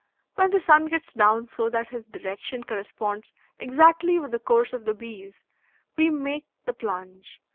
When the sun gets down so that his direction corresponds exactly with the course of the bees, we make the plunge.